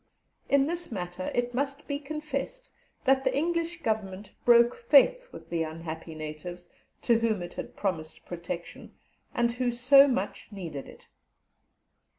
In this matter, it must be confessed that the English Government broke faith with the unhappy natives, to whom it had promised protection, and who so much needed it.